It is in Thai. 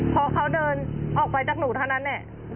พอเขาเดินออกไปจากหนูเท่านั้นแหละ